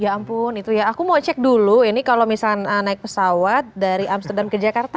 ya ampun itu ya aku mau cek dulu ini kalau misalnya naik pesawat dari amsterdam ke jakarta